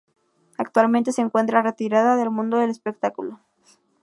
Actualmente se encuentra retirada del mundo del espectáculo.